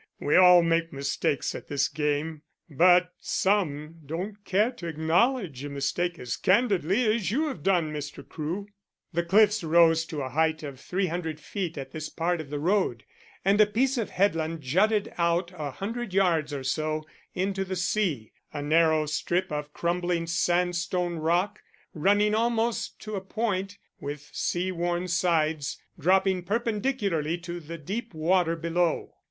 We all make mistakes at this game, but some don't care to acknowledge a mistake as candidly as you have done, Mr. Crewe." The cliffs rose to a height of three hundred feet at this part of the road, and a piece of headland jutted out a hundred yards or so into the sea a narrow strip of crumbling sandstone rock, running almost to a point, with sea worn sides, dropping perpendicularly to the deep water below.